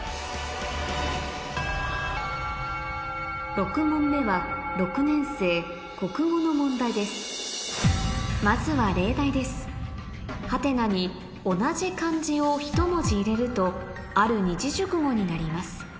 ６問目はの問題ですまずは例題です「？」に同じ漢字をひと文字入れるとある二字熟語になります